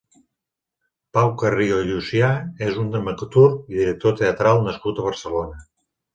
Pau Carrió i Llucià és un dramaturg i director teatral nascut a Barcelona.